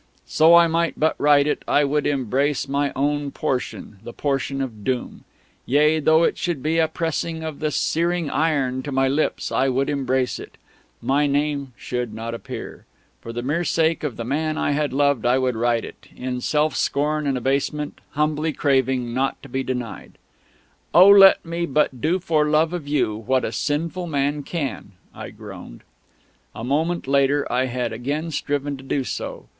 So I might but write it, I would embrace my own portion, the portion of doom; yea, though it should be a pressing of the searing iron to my lips, I would embrace it; my name should not appear. For the mere sake of the man I had loved I would write it, in self scorn and abasement, humbly craving not to be denied.... "Oh, let me but do for Love of you what a sinful man can!" I groaned.... A moment later I had again striven to do so.